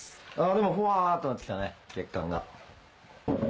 でもフワってなってきたね血管が。